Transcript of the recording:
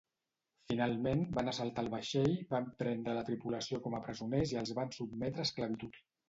Finalment, van assaltar el vaixell, van prendre la tripulació com a presoners i els van sotmetre a esclavitud.